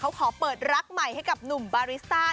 เขาขอเปิดรักใหม่ให้กับหนุ่มบาริสต้า